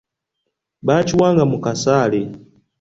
Bakiwanga mu kasaale.